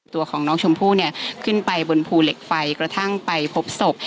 ตัวของน้องชมพู่เนี่ยขึ้นไปบนภูเหล็กไฟกระทั่งไปพบศพ